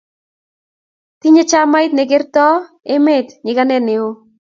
tinye chamait ne kertoo emee nyiganet neo